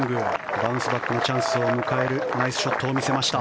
バウンスバックのチャンスを迎えるナイスショットを見せました。